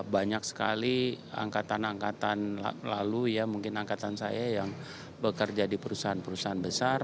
banyak sekali angkatan angkatan lalu ya mungkin angkatan saya yang bekerja di perusahaan perusahaan besar